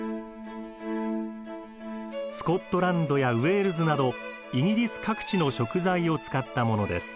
スコットランドやウェールズなどイギリス各地の食材を使ったものです。